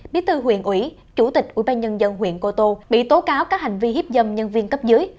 biết thư huyện ủy chủ tịch ủy ban nhân dân huyện cô tô bị tố cáo các hành vi hiếp dâm nhân viên cấp dưới